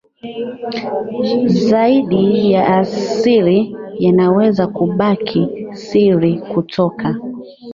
zaidi ya asili yanaweza kubaki siri kutoka